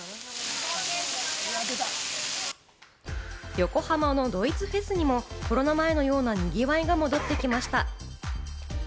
横浜のドイツフェスにも、コロナ前のような賑わいが戻ってきました。